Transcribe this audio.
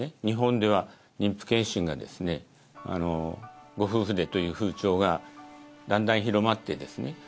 日本では妊婦検診がですねご夫婦でという風潮がだんだん広まってですね